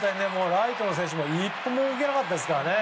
ライトの選手も一歩も動けなかったですからね。